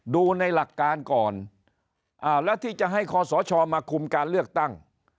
ดูในหลักการก่อนแล้วที่จะให้คอสชมาคุมการเลือกตั้ง